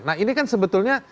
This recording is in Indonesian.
nah ini kan sebetulnya